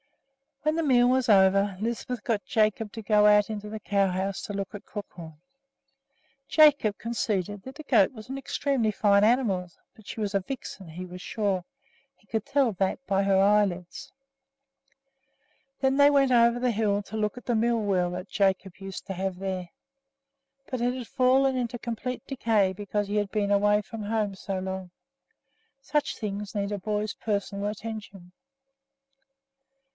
When the meal was over, Lisbeth got Jacob to go out into the cow house to look at Crookhorn. Jacob conceded that the goat was an extremely fine animal, but she was a vixen, he was sure, he could tell that by her eyelids. Then they went over to the hill to look at the mill wheel that Jacob used to have there; but it had fallen into complete decay because he had been away from home so long. Such things need a boy's personal attention.